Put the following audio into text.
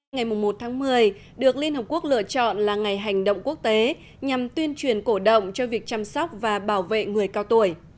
ngày một tháng một mươi được liên hợp quốc lựa chọn là ngày hành động quốc tế nhằm tuyên truyền cổ động cho việc chăm sóc và bảo vệ người cao tuổi